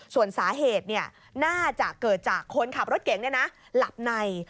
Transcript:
ส่วนสาเหตุน่าจะเกิดจากคนขับรถเก่งหลับใน